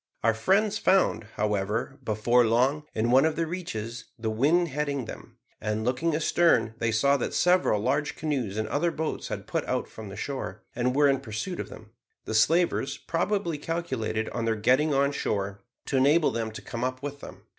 Our friends found, however, before long, in one of the reaches, the wind heading them; and, looking astern, they saw that several large canoes and other boats had put out from the shore, and were in pursuit of them. The slavers probably calculated on their getting on shore, to enable them to come up with them.